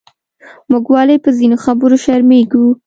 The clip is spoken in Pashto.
موږ ولې پۀ ځینو خبرو شرمېږو؟